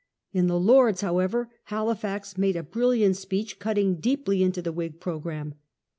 In the Lords, however, Halifax made a brilliant speech, cutting deeply into the Whig programme.